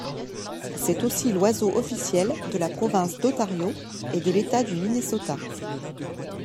C’est aussi l’oiseau officiel de la province d’Ontario et de l’État du Minnesota.